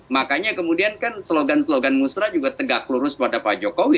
makanya kemudian kan slogan slogan musra juga tegak lurus pada pak jokowi